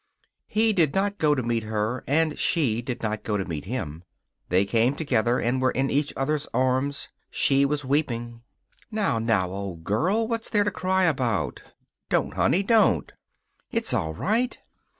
He did not go to meet her, and she did not go to meet him. They came together and were in each other's arms. She was weeping. "Now, now, old girl. What's there to cry about? Don't, honey; don't. It's all right."